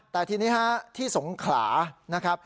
แต่ทีนี้ที่สงขรา